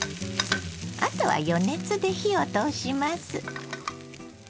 あとは余熱で火を通します。